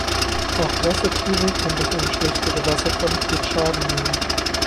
Auch Wassertiere können durch eine schlechtere Wasserqualität Schaden nehmen.